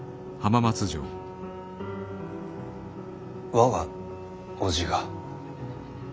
我が伯父が？